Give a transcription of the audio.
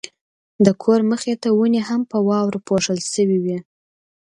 د کور مخې ته ونې هم په واورو پوښل شوې وې.